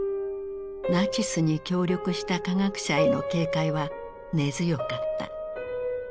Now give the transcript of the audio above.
ナチスに協力した科学者への警戒は根強かった。